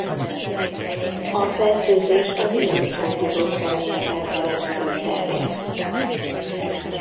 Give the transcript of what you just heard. A fertőzés a vírust hordozó személyeken keresztül terjed.